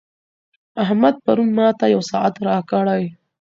احمد پرون ماته یو ساعت راکړی.